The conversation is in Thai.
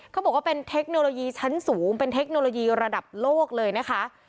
เขาบอกว่าเป็นเทคโนโลยีชั้นสูงเป็นเทคโนโลยีระดับโลกเลยนะคะ